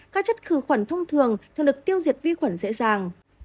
các chất khử khuẩn thông thường thường được tiêu diệt vi khuẩn dễ dàng